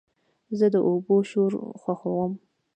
زه د اوبو شور خوښوم.